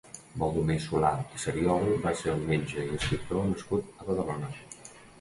Baldomer Solà i Seriol va ser un metge i escriptor nascut a Badalona.